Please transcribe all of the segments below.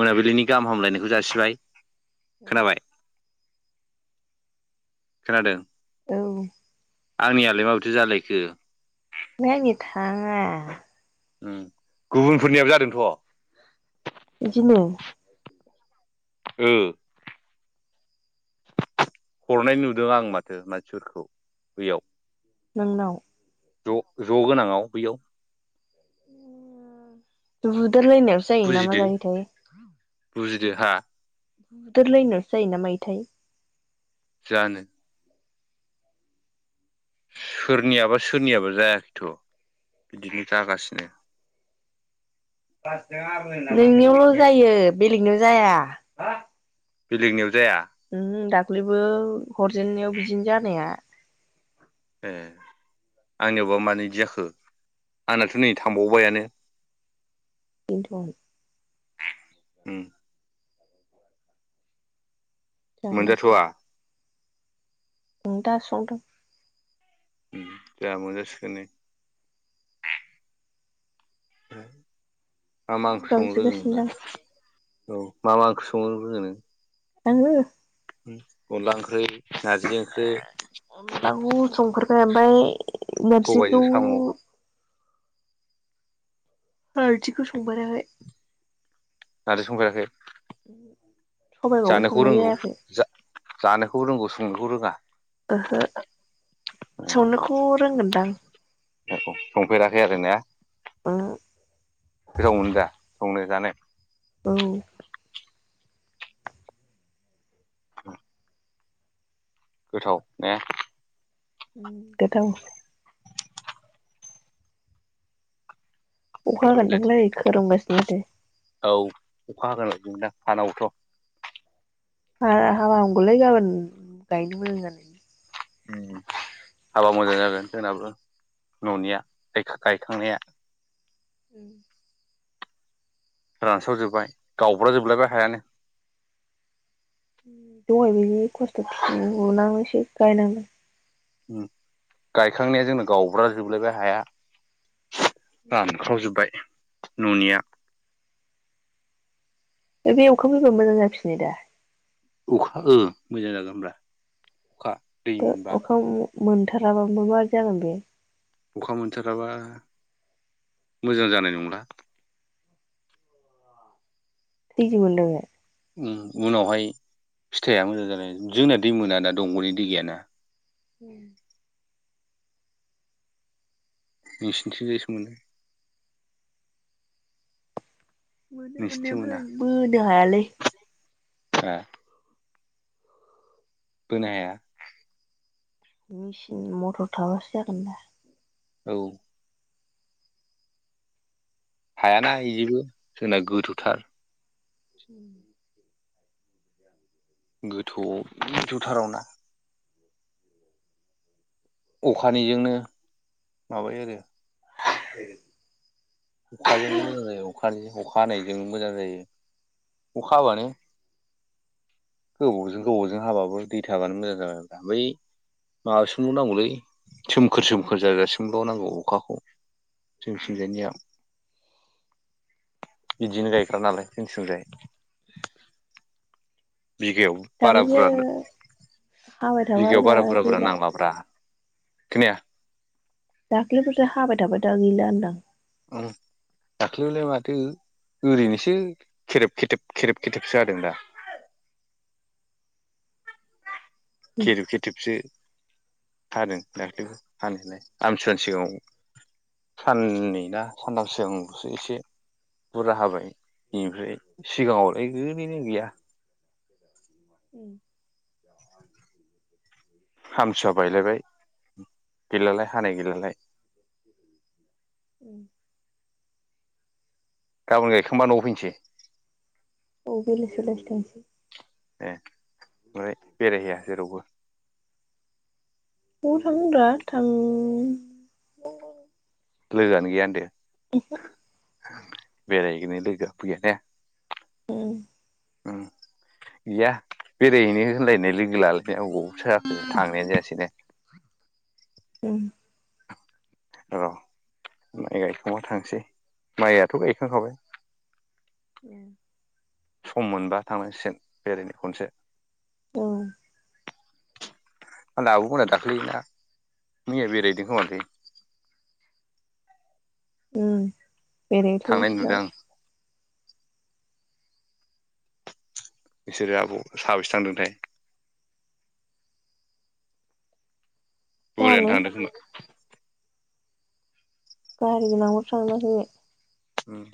मोनाबिलिनि गाहाम हामलायनायखौ जासिबाय औ। खोनाबाय खोनादों। औ। आंनियालाय माबोरैथो जालायखो? नै थाङा गुबुनफोरनियाबो जादोंथ'। बिदिनो ओ हरनाय नुदों आं माथो मानसिफोरखौ बैयाव नोंनाव ज' ज' गोनाङाव बैयाव बुदेरलायनायावसो जायो ना मा बुजिदो जायो थाय बुजिदो हा बुदेरलायनायावसो जायोना मायोथाय जानो सोरनियाबा सोरनियाबो जायाखैथ' बिदिनो जागासिनो नोंनियावल' जायो बेलेगनियाव जाया। बेलेगनियाव जाया दाख्लैबो हरजेननायाव बिदिनो जानाया ए। आंनियावबा मानो बिदि जाखो आंनाथ' नै थांबावबायानो बिन्थ' उम। मोनजाथ'वा उ दा संदों जोंहा मोनजासिगोन नै मा मा ओंख्रि संनो रोङो नोंलाय? गाबज्रिगासिनोदां औ मा मा ओंख्रि संनो रोङो नों? आंङो अनला ओंख्रि नारजि ओंख्रि अनलाखौ संफेरबाय ओमफ्राय नारजिखौ सबायजों साम' नारजिखौ संफेराखै नारजि संफेराखै? सबाइखौबो जानोखौ संनाय रोंगौ जायाखै। जानोखौ रोंगौ संनोखौ रोङा? ओहो संनोखौ रोंगोनदां। संफेराखै आरो ना ओम गोथाव मोनो दा संनो? जानो? औ। [inaudible] गोथाव ने? गोथाव अखा हागोनदांलै [unintelligible] खोरोमगासिनो माथो औ अखा हागोन [unintelligible] फानावथ' ए हाबा हामगौलै गाबोन गायनो मोजां जानायनि हाबा मोजां जागोन जोंनाबो न'निया गायखांनाया ओं। रानस्राव जोबबाय गावब्रा जोबलायबाय हायानो दहाय बिदि खस्थ' [unintelligible] गायनादों उम गायखांनाया जोंना गावब्रा जोबलायबाय हाया रानख्राव जोब्बाय न'निया दा बे अखा फैबा मोजां जाफिनो दा अखा ओ मोजां जागोन ब्रा बो अखा मोनथाराबाबो माबादि जागोन बे अखा मोनथाराबा मोजां जानाय नंला दैजों मोन [inaudible] उम उनावहाय फिथाइआ मोजां जानाय जोंना दै मोना ना‌ दंग'नि दै गैयाना उम। नोंसिनि थिंजायसो मोनो। मोनो मोननाया‌ नोंसिनिथिं ओमफाय बो हायालै ए बोनो हाया मेचिन मथर थाबासो जागोन दा औ हायाना इजोबो जोंना गोथौ थार उम गोथौआव गोथौ थाराव ना अखानिजोंनो माबायो आरो [inaudible] अखाजों मोजां जायो अखानि अखा हानायजों मोजां जायो अखा हाबानो गोबावजों गोबावजों हाबाबो दै थाबानो मोजां जाबायब्रा बै माबासिमल' नांगौलै सोमखोर सोमखोर जाजासिमल' नांगौ अखाखौ जोंसिं जायनिया बिदिनो गायग्रा नालाय जों सिंजाय बिगायाव बारा दाख्लैसो बुरजा हाबाय थाबाय बिगायाव दा बारा बुरजा बुरजा गैला नांलाब्रा खोनाया दाख्ललिफोरसो हाबाय थाबाय दा गैला होनदां उम दाख्लिलाय माथो ओरैनोसो खेरेब खेथेब खेरेब खेथेबसो हादों दा खेरेब खेथेबसो हादों दाख्लै हानायालाय आमथिसुवानि सिगाङाव साननै ना सानथाम सिगांलसो एसे बुरजा हाबाय इनिफ्राय सिगाङावलाय ओरैनो गैया उम हामसुवआ बायलायबाय गैला लाय उम गाबोन गायखांबा न'आव फैनोसै औ बेलासियाव लागै थांसै ए फ्राय बेरायहैया जेरावबो बबाव थांनो ब्रा थां लोगोआनो गैया होनदो उम हो बेराय हैनो लोगोआ फैया ने उम उम गैया बेरायहैनो होनलायनाय लोग लालायनाया अबावथो जाखो थांनायानो जायासैनो ओम औ माइ गायखांबा थांसै माइयाथ' गायखांखाबाय [unintelligible] सम मोनबा थांनांसिगोन बेरायनो खनसे औ मालाय आब'मोना दाख्लैना मिया बेैरायहैदों‌ खोमालै ओम बेरायहैथों थांनाय इस्रा नुदों आं बिसोरो आब' साबेसे थांदोंथाय बुरजायानो जानो थांदों खोमा गारि गोनां [unintelligible] ओम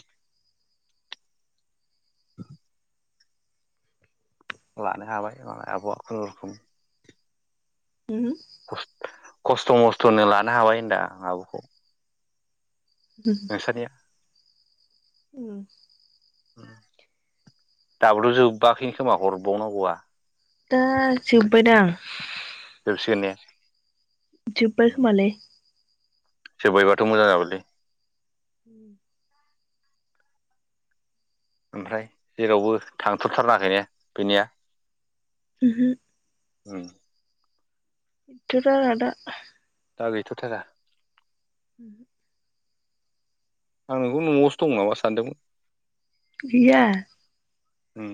[inaudible] लानो हाबासोमोन आब'आ खुनुरुखुम उमहो खस्थ' मस्थ'नो लानो हाबाय होनदा आं आब'खौ नोंसानिया उम दाबोथ' जोबाखै खोमा हरबावनांगौआ दा जोबबाय दां सोर ने जोबबाय खोमालै जोबबायबाथ' मोजां जाबायलै [inaudible] ओमफ्राय जेरावबो थांथ'थारनाङाखै ने बिनिया? उमहो औ गैथ' थारा दा दा गैथ' थारा? [inaudible] आं नोंखौ न'आवसो दं नामा सानदोंमोन। गैया ओम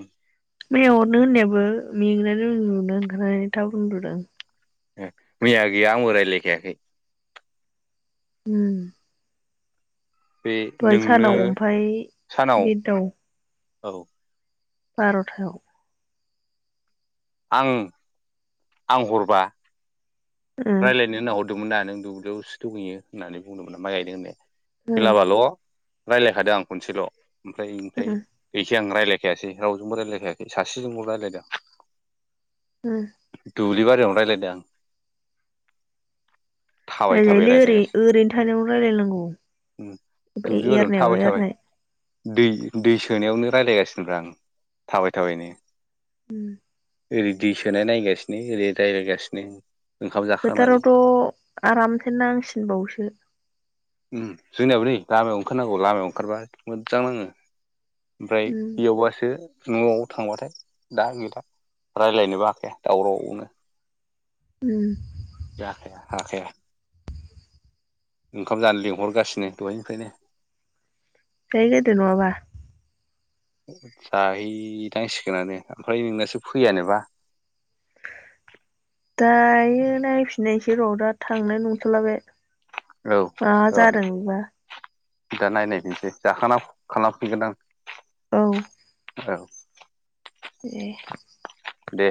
मैया हरनो होननायाबो मेंनानै उन्दुनो ओंखारनानै उन्दुदों आं मैया गैया आंबो रायलायखायाखै ओम बे नोंनो ओमफाय सानाव बेदाव औ बार'थायाव आं आं हरबा ओ रायज्लायनो होनना हरदोंमोन दा नों दुब्लियावसो दंहैयो होननानै बुंदोंमोना माइ गायदों होननाया ओ बेलाबाल' रायलायखादों आं खनसेल' ओमफ्राय इनिफ्राय गैखाया आं रायलायखायासै रावजोंबो रायजलायखायासै सासेजोंबो रायज्लायदों आं उम दुब्लि बारियावनो रायज्लायदों आं थाबाय थाबाय रायलायलै ओरै रायलायगासिनो ओरैनो थानायावनो रायलायनांगौ। उम दुब्लि बारियावनो एरनायावनो थाबाय थाबाय एरनाय दै दै सोनायावनो रायज्लायगासिनोब्रा आं थाबाय थाबायनो उम ओरै दै सोनाय नायगासिनो ओरै रायज्लायगासिनो फोथारावथ आरामसे नांसिनबावसो उम जोंनियाबो नै लामायाव गामियाव ओंखारनांगौ लामायाव ओंखारबा मोजां नाङो। ओमफ्राय उम बेयावबासो न'आव थांबाथाय दा गैला रायलायनोबो हाखाया दावरावनो। उम जाखाया हाखाया उम। खाम जानो लिंहरगासिनो दहायनिफायनो जाहै गोरदो नङाबा। जाहैनांसिगोनानो ओमफ्राय नोंनासो फैयानोबा दायो नायफिननायसै र' दा थांनाय नंथला बे औ मा औ जादों बेबा दा नायनायफिनसै जाखांना खालामफिनगोन आं औ औ ए दे